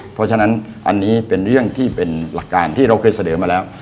เพราะฉะนั้นอันนี้เป็นเรื่องที่เป็นหลักการที่เราเคยเสนอมาแล้ว